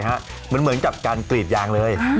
เหมือนกับการกรีดยางเลย